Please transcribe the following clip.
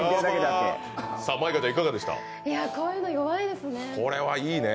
こういうの弱いですね。